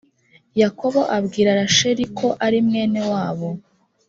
yakobo abwira rasheli ko ari mwene wabo